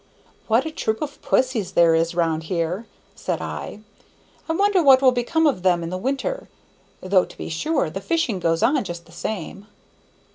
"What a troop of pussies there is round here," said I; "I wonder what will become of them in the winter, though, to be sure, the fishing goes on just the same."